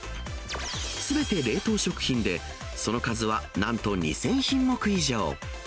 すべて冷凍食品で、その数は、なんと２０００品目以上。